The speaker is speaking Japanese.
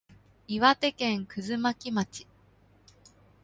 岩手県葛巻町